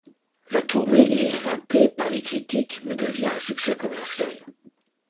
La tournée est éreintée par les critiques mais devient un succès commercial.